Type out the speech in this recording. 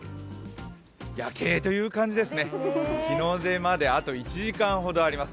夜景という感じですね、日の出まであと１時間ほどあります。